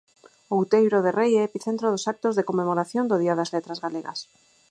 Outeiro de Rei é epicentro dos actos de conmemoración do Día das Letras Galegas.